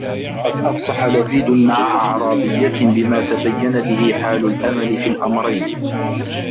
وَقَدْ أَفْصَحَ لَبِيدٌ مَعَ أَعْرَابِيَّةٍ بِمَا تَبَيَّنَ بِهِ حَالُ الْأَمَلِ فِي الْأَمْرَيْنِ